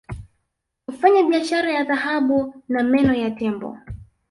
kufanya biashara ya dhahabu na meno ya tembo